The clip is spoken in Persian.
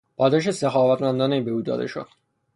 پاداش سخاوتمندانهای به او داده شد.